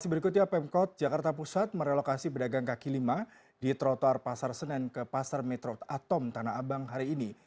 berikutnya pemkot jakarta pusat merelokasi pedagang kaki lima di trotoar pasar senen ke pasar metro atom tanah abang hari ini